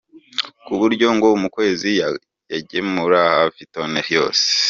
Ku buryo ngo mu kwezi yagemura hafi toni yose.